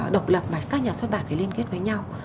độc lập mà các nhà xuất bản phải liên kết với nhau